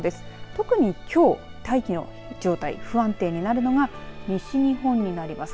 特にきょう大気の状態、不安定になるのが西日本になります。